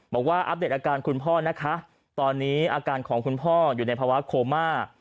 อัปเดตอาการคุณพ่อนะคะตอนนี้อาการของคุณพ่ออยู่ในภาวะโคม่า